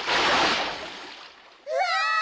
うわ！